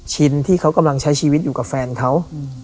ชินที่เขากำลังใช้ชีวิตอยู่กับแฟนเขา